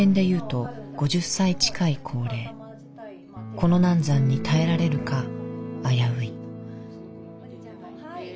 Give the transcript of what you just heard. この難産に耐えられるか危うい。